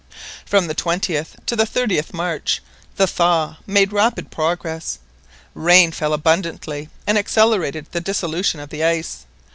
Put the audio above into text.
From the 20th to the 30th March, the thaw made rapid progress. Rain fell abundantly and accelerated the dissolution of the ice.